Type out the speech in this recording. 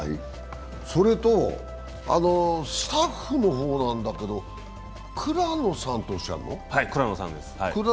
それとスタッフの方なんだけど、倉野さんとおっしゃるの？